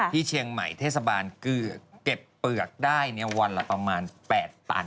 ที่เชียงใหม่เทศบาลเก็บเปลือกได้วันละประมาณ๘ตัน